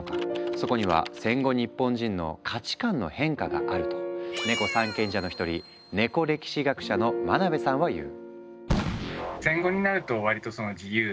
そこには戦後日本人の価値観の変化があると「ネコ三賢者」の一人ネコ歴史学者の真辺さんは言う。